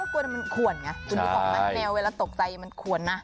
เพราะว่ามันขวนไงอุปกรณ์แมวเวลาตกใจมันขวนนะ